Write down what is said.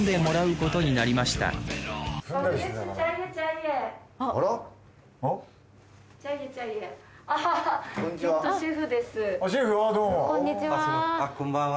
こんにちは。